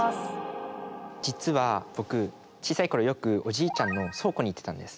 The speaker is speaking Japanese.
実は僕小さい頃よくおじいちゃんの倉庫に行ってたんです。